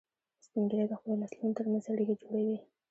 سپین ږیری د خپلو نسلونو تر منځ اړیکې جوړوي